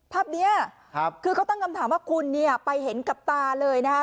ภาพนี้คือเขาตั้งคำถามว่าคุณเนี่ยไปเห็นกับตาเลยนะคะ